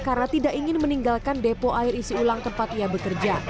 karena tidak ingin meninggalkan depo air isi ulang tempat ia bekerja